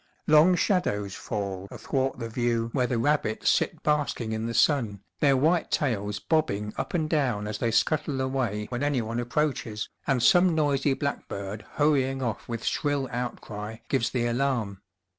Long shadows fall athwart the view where the rabbits sit basking in the sun, their white tails bobbing up and down as they scuttle away when anyone approaches, and some noisy blackbird hurrying off with shrill outcry gives the alarm.